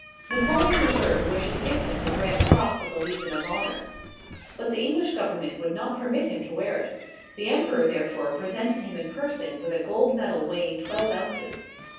Napoleon III. wished to give him the Grand Cross of the Legion of Honor, but the English Government would not permit him to wear it; the Emperor therefore presented him in person with a gold medal weighing twelve ounces.